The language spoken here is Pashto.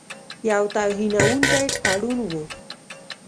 یو توهینونکی تړون وو.